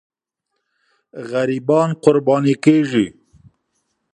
غریبان قرباني کېږي.